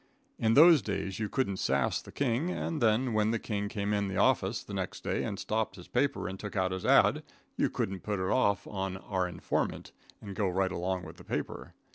In those days you couldn't sass the king, and then, when the king came in the office the next day and stopped his paper, and took out his ad., you couldn't put it off on "our informant" and go right along with the paper.